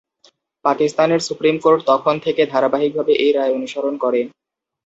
পাকিস্তানের supreme court তখন থেকে ধারাবাহিকভাবে এই রায় অনুসরণ করে।